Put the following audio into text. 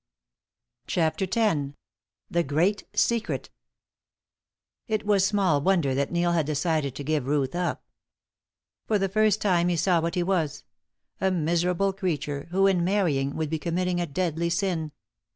CHAPTER X. THE GREAT SECRET. It was small wonder that Neil had decided to give Ruth up. For the first time he saw what he was a miserable creature, who, in marrying, would be committing a deadly sin.